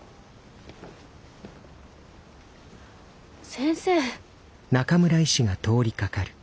先生。